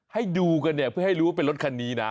ให้ดูกันเนี่ยเพื่อให้รู้ว่าเป็นรถคันนี้นะ